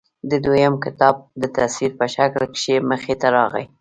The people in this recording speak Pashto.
د دوي دويم کتاب د تصوير پۀ شکل کښې مخې ته راغے